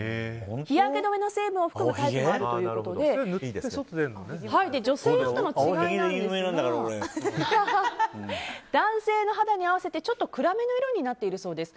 日焼け止めの成分も含むタイプがあるということで女性用との違いなんですが男性の肌に合わせてちょっと暗めの色になっているそうです。